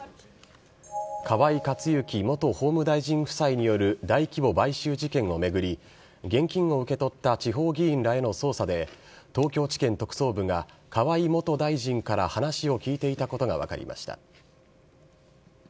河井克行元法務大臣夫妻による大規模買収事件を巡り、現金を受け取った地方議員らへの捜査で、東京地検特捜部が、河井元大臣から話を聴いていたことが分かりました。